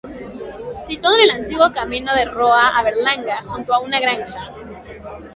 Situado en el antiguo camino de Roa a Berlanga, junto a una granja.